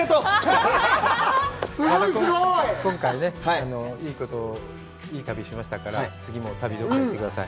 今回ね、いい旅しましたから、次も旅ロケ行ってください。